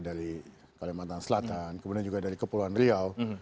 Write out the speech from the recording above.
dari kalimantan selatan kemudian juga dari kepulauan riau